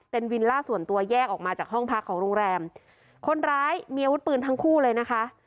เป็นวิลล่าส่วนตัวแยกออกมาจากห้องพักของโรงแรมคนร้ายมีอาวุธปืนทั้งคู่เลยนะคะ